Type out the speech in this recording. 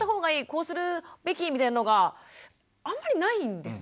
こうするべきみたいのがあんまりないんですね。